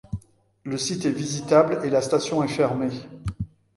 Le site est visitable et la station est fermée.